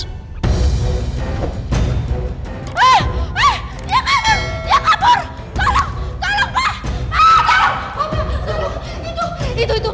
eh eh dia kabur dia kabur